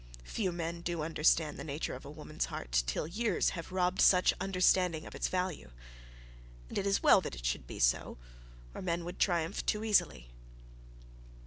Few men do understand the nature of a woman's heart, till years have robbed such understanding of its value. And it is well that it should be so, or men would triumph too easily.